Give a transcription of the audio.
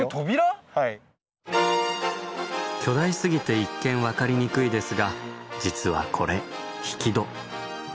巨大すぎて一見分かりにくいですが実はこれ引き戸。